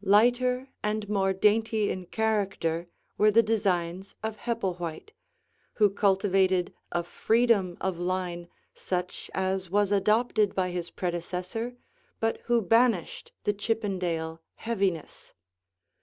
Lighter and more dainty in character were the designs of Hepplewhite, who cultivated a freedom of line such as was adopted by his predecessor, but who banished the Chippendale heaviness.